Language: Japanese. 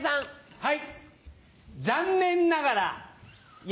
はい。